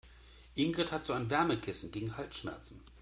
Ingrid hat so ein Wärmekissen gegen Halsschmerzen.